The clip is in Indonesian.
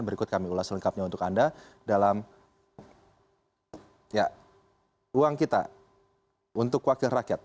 berikut kami ulas lengkapnya untuk anda dalam uang kita untuk wakil rakyat